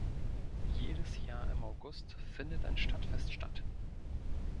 Jedes Jahr im August findet ein Stadtfest statt.